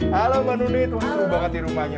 halo mbak nunit wah seru banget di rumahnya